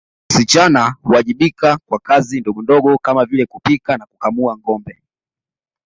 Wasichana huwajibika kwa kazi ndogondogo kama vile kupika na kukamua ngombe